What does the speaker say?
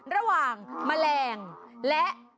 ระหว่างแมลงและ